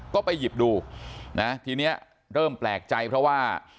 ก็ไปหยิบดูนะทีนี้เริ่มแปลกใจเพราะว่า